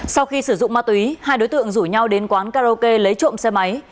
sau khi sử dụng ma túy hai đối tượng rủ nhau đến quán karaoke lấy trộm xe máy